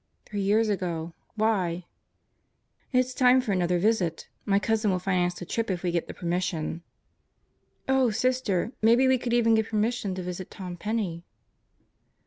"Three years ago why?" "It's time for another visit. My cousin will finance the trip if we get the permission." "Oh, Sister, maybe we could even get permission to visit Tom Penney.